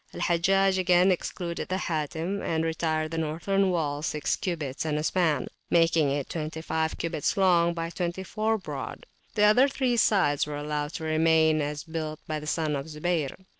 Hajjaj again excluded the Hatim and retired the northern wall six cubits and a span, making it twenty five cubits long by twenty four broad; the other three sides were allowed to remain as built by the son of Zubayr.